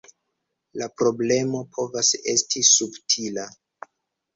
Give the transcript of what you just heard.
La problemo povas esti subtila.